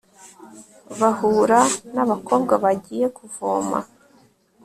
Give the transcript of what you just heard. bahura n'abakobwa bagiye kuvoma